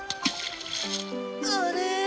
あれ？